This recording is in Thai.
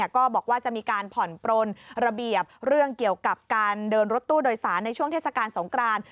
ก็บอกว่าจะมีการผ่อนปลนระเบียบเรื่องเกี่ยวกับการเดินรถตู้โดยสารในช่วงเทศกาลสงคราน